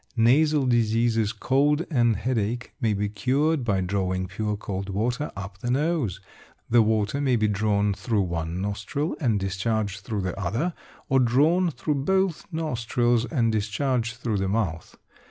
Nasal diseases, cold and headache, may be cured by drawing pure cold water up the nose. The water may be drawn through one nostril and discharged through the other, or drawn through both nostrils and discharged through the mouth.